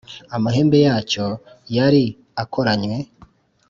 Amahembe yacyo yari akoranywe.